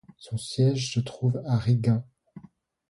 Son siège se trouve à Rīga.